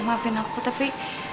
maafin aku tapi